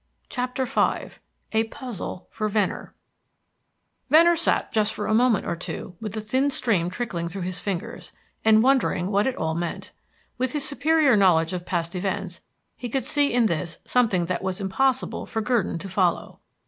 CHAPTER V A PUZZLE FOR VENNER Venner sat just for a moment or two with the thin stream trickling through his fingers, and wondering what it all meant. With his superior knowledge of past events, he could see in this something that it was impossible for Gurdon to follow.